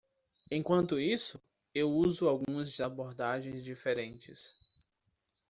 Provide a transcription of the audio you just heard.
Enquanto isso,? eu uso algumas abordagens diferentes.